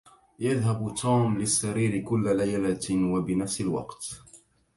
يذهب توم للسرير كل ليلة وبنفس الوقت.